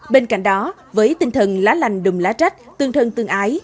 bên cạnh đó với tinh thần lá lành đùm lá trách tương thân tương ái